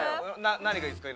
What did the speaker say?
何がいいですか？